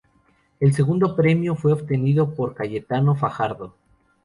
El segundo premio fue obtenido por Cayetano Fajardo.